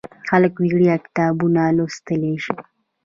خلک وړیا کتابونه لوستلی شي.